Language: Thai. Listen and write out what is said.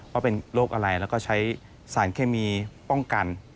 ว่าเป็นโรคอะไรแล้วก็ใช้สารเคมีป้องกัน